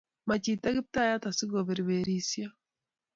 Ma chito Kiptayat asiku bereberisio